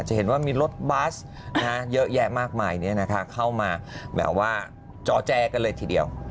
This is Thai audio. จะเห็นว่ามีรถบัสเยอะแยะมากมายเข้ามาแบบว่าจอแจกันเลยทีเดียว